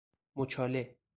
مچاله